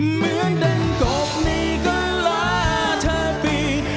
เหมือนเดิมกบนี่ก็ลาเธอปี